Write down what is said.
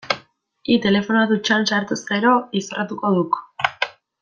Hi, telefonoa dutxan sartuz gero, izorratuko duk.